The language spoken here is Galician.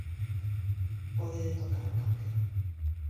Pódelle tocar a calquera!